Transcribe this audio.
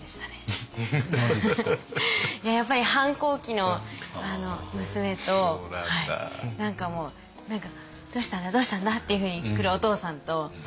いややっぱり反抗期の娘と何かもう「どうしたんだどうしたんだ？」っていうふうに来るお父さんと。